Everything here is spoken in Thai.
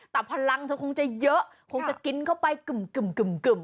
แต่พลังเธอคงจะเยอะคงจะกินเข้าไปกึ่ม